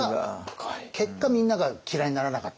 結果みんなが嫌いにならなかった。